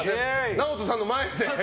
ＮＡＯＴＯさんの前で。